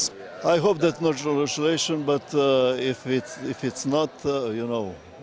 saya harap itu bukan perkembangan tapi jika tidak apa yang kita bisa lakukan